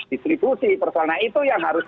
distribusi persoalan itu yang harus